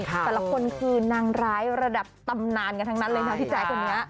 แต่ละคนคือนางร้ายระดับตำนานกันทั้งนั้นเลยนะพี่แจ๊คคนนี้